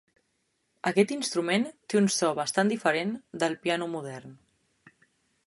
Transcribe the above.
Aquest instrument té un so bastant diferent del piano modern.